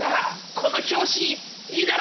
この表紙いいだろ？